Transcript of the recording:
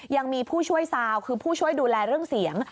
ยังมีผู้ช่วยซาวคือผู้ช่วยดูแลเรื่องเสียง